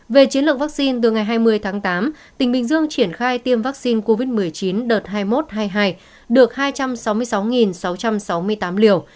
về chiến lược vaccine từ ngày hai mươi tháng tám tỉnh bình dương triển khai tiêm vaccine covid một mươi chín đợt hai mươi một hai mươi hai được hai trăm sáu mươi sáu sáu trăm sáu mươi tám liều